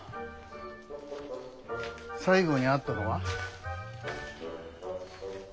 最後に会ったのは？